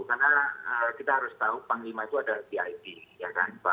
karena kita harus tahu panglima itu ada di it ya kan